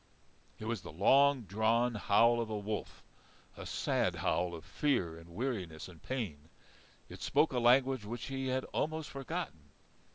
It was the long drawn howl of a wolf, a sad howl of fear and weariness and pain. It spoke a language which he had almost forgotten.